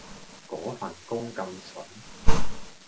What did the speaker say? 嗰份工咁旬